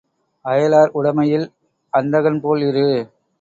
அயலார் உடைமையில் அந்தகன் போல் இரு.